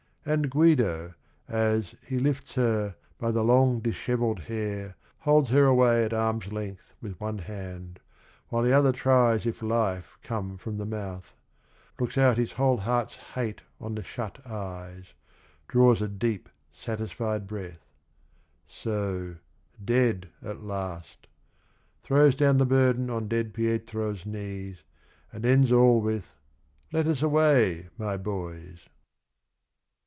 and Guido as f'He lifts her by the long dishevelled hair Holds her away at arm's length with one hand, While the other tries if life come from the mouth — Looks out his whole heart's hate on the shut eyes, Draws a deep satisfied breath, ' So, dead at last 1 ' Throws down the burden on dead Pietro's knees And ends all with 'Let us away, my boys.'